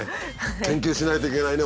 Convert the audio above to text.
研究しないといけないね